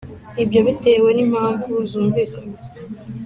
Ibyo bitewe n’impamvu zumvikana